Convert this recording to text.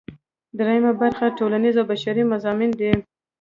دریمه برخه ټولنیز او بشري مضامین دي.